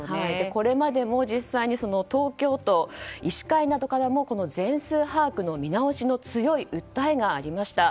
これまでも実際に東京都医師会などからも全数把握の見直しの強い訴えがありました。